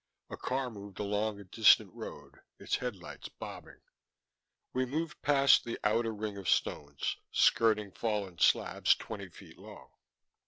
A car moved along a distant road, its headlights bobbing. We moved past the outer ring of stones, skirting fallen slabs twenty feet long.